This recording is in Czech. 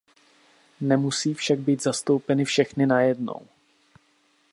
Nemusí však být zastoupeny všechny najednou.